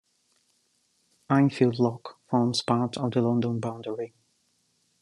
Enfield Lock forms part of the London boundary.